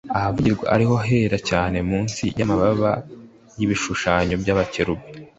ahavugirwa ari ho hitwa Ahera cyane munsi y’amababa y’ibishushanyo by’abakerubi,